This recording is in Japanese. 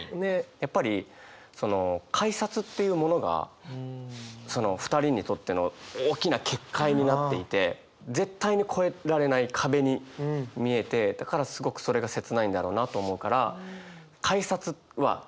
やっぱりその改札っていうものがその２人にとっての大きな結界になっていて絶対に越えられない壁に見えてだからすごくそれが切ないんだろうなと思うから。